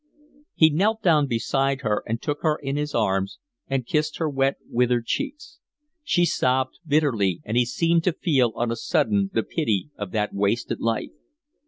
He knelt down beside her and took her in his arms, and kissed her wet, withered cheeks. She sobbed bitterly, and he seemed to feel on a sudden the pity of that wasted life.